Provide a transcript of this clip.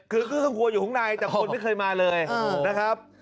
คือเครื่องครัวอยู่ข้างในแต่คนไม่เคยมาเลยนะครับ